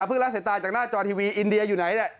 ละสายตาจากหน้าจอทีวีอินเดียอยู่ไหนเนี่ย